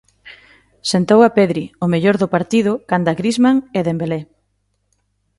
Sentou a Pedri, o mellor do partido, canda Griezman e Dembelé.